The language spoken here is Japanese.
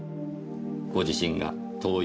ご自身が遠い昔